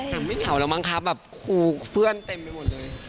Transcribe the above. แต่ไม่เผาแล้วมั้งคะแบบครูเพื่อนเต็มไปหมดเลย